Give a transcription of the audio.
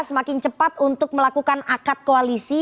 semakin cepat untuk melakukan akad koalisi